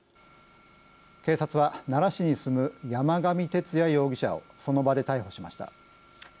警察は奈良市に住む山上徹也容疑者をその場で逮捕しました。